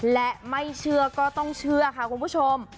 และไม่เชื่อก็ต้องเชื่อค่ะคุณผู้ชม